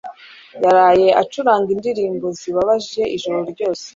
yaraye acuranga indirimbo zibabaje ijoro ryose.